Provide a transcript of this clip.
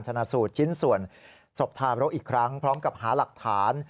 ชนะสูตรชิ้นส่วนศพทารกอีกครั้งพร้อมกับหาหลักฐาน